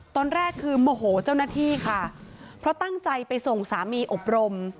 ตอนแรกคือโมโหเจ้าหน้าที่ค่ะเพราะตั้งใจไปส่งสามีอบรม